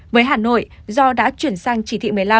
với hà nội do đã chuyển sang chỉ thị một mươi năm